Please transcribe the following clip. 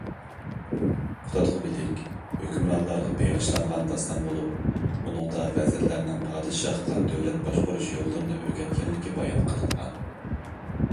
« قۇتادغۇبىلىك» ھۆكۈمرانلارغا بېغىشلانغان داستان بولۇپ، ئۇنىڭدا ۋەزىرلەرنىڭ پادىشاھقا دۆلەت باشقۇرۇش يوللىرىنى ئۆگەتكەنلىكى بايان قىلىنغان.